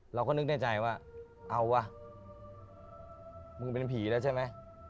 เราก็นึกในใจว่าเอาว่ะมึงเป็นผีแล้วใช่ไหม